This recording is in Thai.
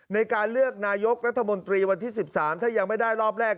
ในการเลือกนายกรัฐมนตรีวันที่๑๓ถ้ายังไม่ได้รอบแรก